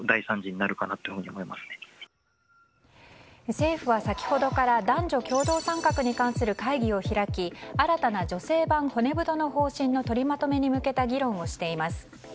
政府は先ほどから男女共同参画に関する会議を開き新たな女性版骨太の方針を取りまとめに向けた議論をしています。